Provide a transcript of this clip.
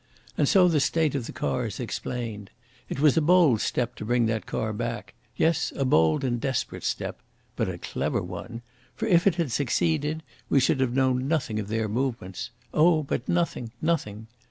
And so the state of the car is explained. It was a bold step to bring that car back yes, a bold and desperate step. But a clever one. For, if it had succeeded, we should have known nothing of their movements oh, but nothing nothing.